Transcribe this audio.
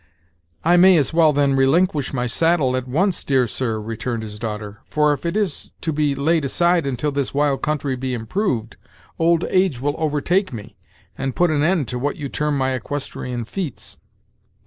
"I may as well then relinquish my saddle at once, dear sir," returned his daughter; "for if it is to be laid aside until this wild country be improved, old age will overtake me, and put an end to what you term my equestrian feats."